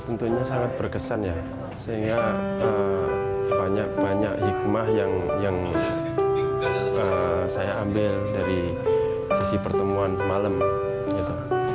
tentunya sangat berkesan ya sehingga banyak banyak hikmah yang saya ambil dari sisi pertemuan semalam gitu